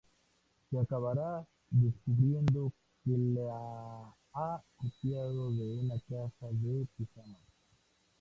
Se acabará descubriendo que la ha copiado de una caja de pijamas.